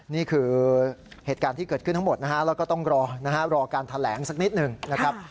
นี่คือเหตุการณ์ที่เกิดขึ้นทั้งหมดเราก็ต้องรอการแถลงสักนิดหนึ่งนะครับ